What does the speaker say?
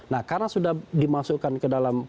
nah karena sudah dimasukkan ke dalam